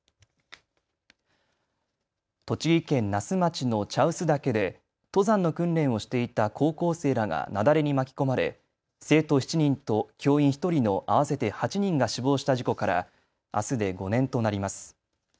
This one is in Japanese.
栃木県那須町の茶臼岳で登山の訓練をしていた高校生らが雪崩に巻き込まれ生徒７人と教員１人の合わせて８人が死亡した事故から、あすで５年となります。